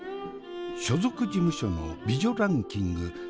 所属事務所の美女ランキング